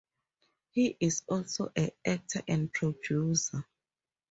He is also an actor and producer.